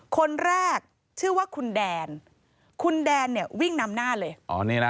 คนแรกชื่อว่าคุณแดนคุณแดนเนี่ยวิ่งนำหน้าเลย